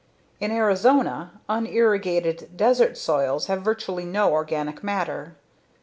In Arizona, unirrigated desert soils have virtually no organic matter.